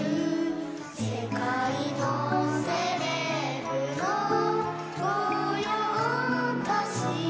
「世界のセレブの御用達」